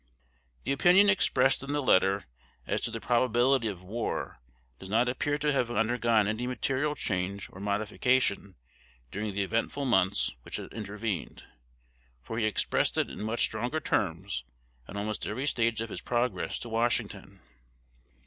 The opinion expressed in the letter as to the probability of war does not appear to have undergone any material change or modification during the eventful months which had intervened; for he expressed it in much stronger terms at almost every stage of his progress to Washington.